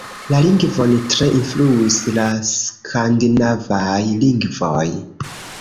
La lingvon tre influis la skandinavaj lingvoj.